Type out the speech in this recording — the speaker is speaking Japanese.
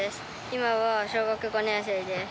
今は小学５年生です。